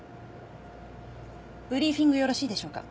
ブリーフィングよろしいでしょうか？